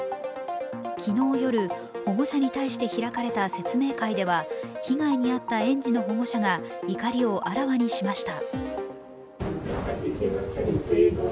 昨日夜、保護者に対して開かれた説明会では被害に遭った園児の保護者が怒りをあらわにしました。